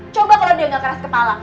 coba kalau dia nggak keras kepala